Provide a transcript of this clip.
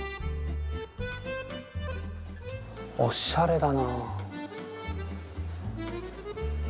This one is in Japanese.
おしゃれだな。